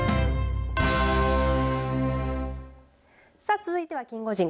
さあ続いてはキンゴジン。